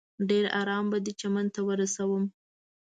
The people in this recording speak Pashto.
ډېر ارام به دې چمن ته ورسوم.